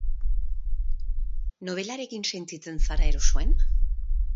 Nobelarekin sentitzen zara erosoen?